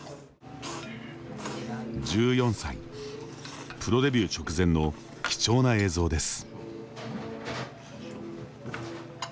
１４歳、プロデビュー直前の貴重な映像です。